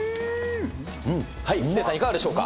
ヒデさん、いかがでしょうか。